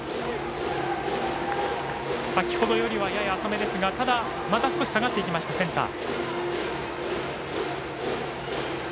先ほどよりはやや浅めですがただ、また少し下がっていきました、センター。